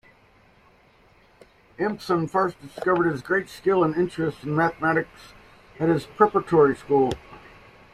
Empson first discovered his great skill and interest in mathematics at his preparatory school.